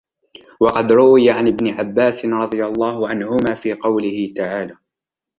وَقَدْ رُوِيَ عَنْ ابْنِ عَبَّاسٍ رَضِيَ اللَّهُ عَنْهُمَا فِي قَوْله تَعَالَى